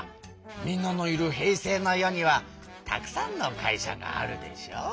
みんなのいる平成の世にはたくさんの会社があるでしょ？